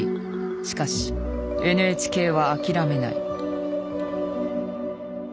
しかしＮＨＫは諦めない。